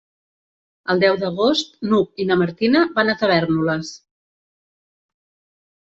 El deu d'agost n'Hug i na Martina van a Tavèrnoles.